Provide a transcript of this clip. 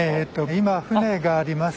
今船があります。